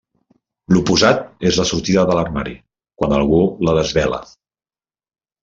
L'oposat és la sortida de l'armari, quan algú la desvela.